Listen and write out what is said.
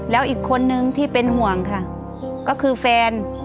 แล้วอีกคนนึงที่เป็นห่วงค่ะก็คือแฟน